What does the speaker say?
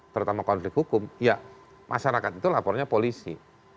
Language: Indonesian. terutama konflik hukum ya masyarakat itu lapornya polisi